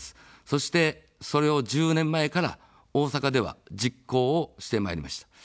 そして、それを１０年前から大阪では実行をしてまいりました。